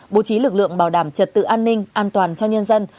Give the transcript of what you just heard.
bố trí lực lượng bảo đảm trật tự an ninh an toàn cho nhân dân